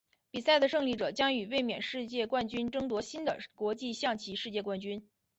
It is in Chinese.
比赛的胜利者将与卫冕世界冠军争夺新的国际象棋世界冠军。